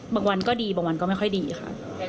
วันก็ดีบางวันก็ไม่ค่อยดีค่ะ